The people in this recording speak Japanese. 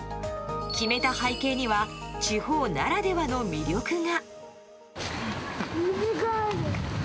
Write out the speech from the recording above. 決めた背景には地方ならではの魅力が。